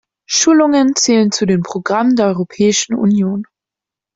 Schulungen zählen zu den Programmen der Europäischen Union.